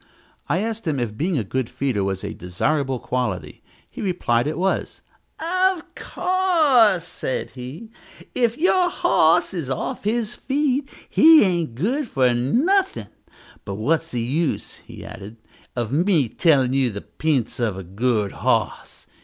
I asked him if being a good feeder was a desirable quality. He replied it was; "of course," said he, "if your hos is off his feed, he ain't good for nothin'. But what's the use," he added, "of me tellin' you the p'ints of a good hos?